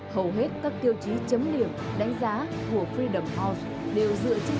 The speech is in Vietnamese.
hầu hết các tiêu chí chấm liềm đánh giá của freedom house đều dựa trên